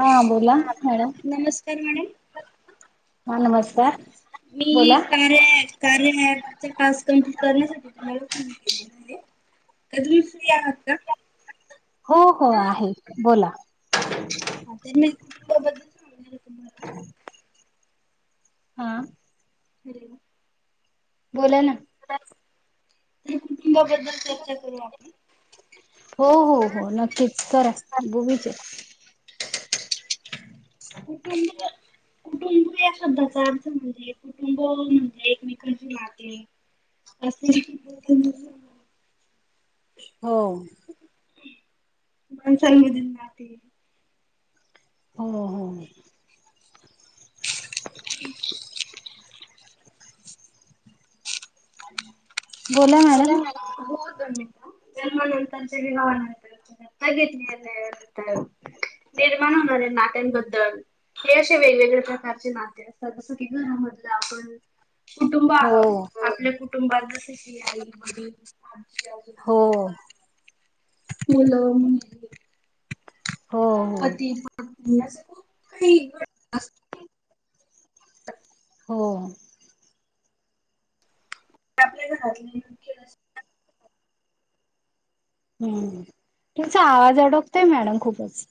हा बोला मॅडम. नमस्कार मॅडम हा नमस्कार. मी बोला कारे [inaudible] कार्य ऍप चे टाक्स कंप्लीट करण्यासाठी तुम्हाला फोन केलेला आहे. त तुम्ही फ्री आहत का? हो हो आहे. बोला. [inaudible] तुम्हाला. हा. [inaudible] बोला ना? कुटुंबाबद्दल चर्चा करू आपण. हो हो हो नक्कीच करा. बोलुचे. [inaudible] कुटुंब या शब्दाचा अर्थ म्हणजे? कुटुंब म्हणजे एकमेकांची नाती [unintelligible] हो. माणसल [unintelligible] हो हो. [inaudible] बोला मॅडम बोला मॅडम [unintelligible] [unintelligible] हे असे वेगवेगळे प्रकारचे नाते असतात जसं की घरामधलं आपण कुटुंब हो आहोत. आपल्या कुटुंबात जसे की आई वडील आजी आजोबा हो हो मुलं. हो पती पत्नी असं [unintelligible] हो. आपल्या घरातले मुख्य हम्, तुमचा आवाज अडकतोय मॅडम खूपच.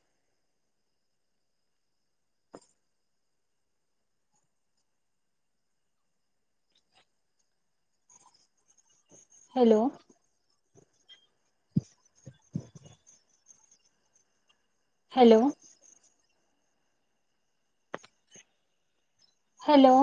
हॅलो. हॅलो. हॅलो.